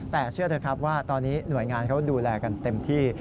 แต่เชื่อเถอะครับว่าตอนนี้หน่วยงานเขาดูแลกันเต็มที่